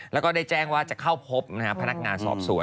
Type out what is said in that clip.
แล้วก็ได้แจ้งว่าจะเข้าพบพนักงานสอบสวน